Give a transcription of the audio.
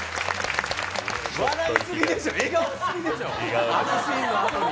笑いすぎでしょ、笑顔すぎでしょ。